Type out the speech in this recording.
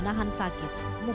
nah ini loh